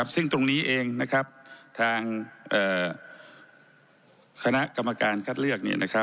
ซึ่งตรงนี้เองทางคณะกรรมการคัดเลือก